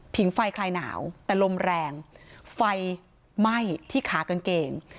ไฟคลายหนาวแต่ลมแรงไฟไหม้ที่ขากางเกง